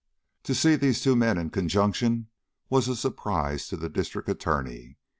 To see these two men in conjunction was a surprise to the District Attorney.